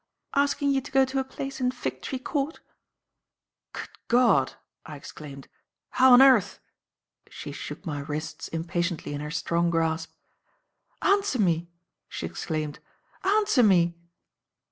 "Asking you to go to a place in Fig tree Court?" "Good God!" I exclaimed. "How on earth " She shook my wrists impatiently in her strong grasp. "Answer me!" she exclaimed, "answer me!"